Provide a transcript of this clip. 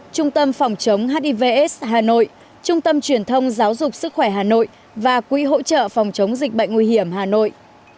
trung tâm phòng chống hivs hà nội trung tâm truyền thông giáo dục sức khỏe hà nội và quỹ hỗ trợ phòng chống dịch bệnh nguy hiểm hà nội